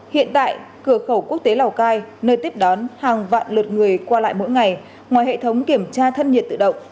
hiện tại cửa khẩu quốc tế lào cai nơi tiếp đón hàng vạn lượt người qua lại mỗi ngày ngoài hệ thống kiểm tra thân nhiệt tự động